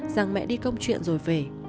rằng mẹ đi công chuyện rồi về